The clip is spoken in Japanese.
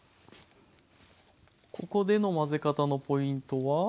ここでの混ぜ方のポイントは？